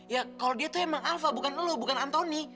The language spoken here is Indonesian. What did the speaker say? ya kalau dia tuh emang alva bukan lu bukan antoni